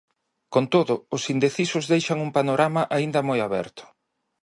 Con todo, os indecisos deixan un panorama aínda moi aberto.